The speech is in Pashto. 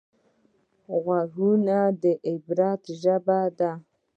غوږونه د عبرت ژبه ده